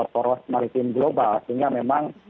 poros maritim global sehingga memang